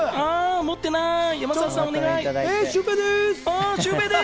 持ってない山里さん、お願いします。